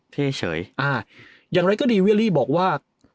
เท่เฉยอ่าอย่างไรก็ดีเวียรี่บอกว่า